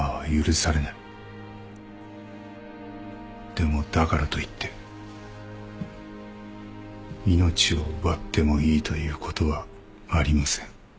でもだからといって命を奪ってもいいということはありません。